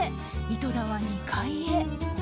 井戸田は２階へ。